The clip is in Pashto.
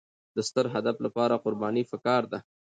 د ستر هدف لپاره قرباني پکار ده.